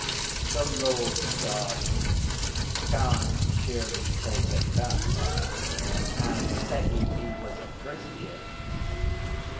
The Lord God can't surely take a Tatar and say he was a Christian?